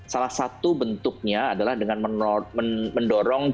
salah satu bentuknya adalah dengan mendorong lima g